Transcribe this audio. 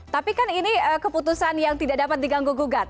tapi kan ini keputusan yang tidak dapat diganggu gugat